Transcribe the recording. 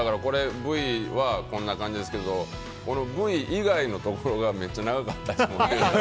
Ｖは、こんな感じですけどＶ以外のところがめっちゃ長かったです。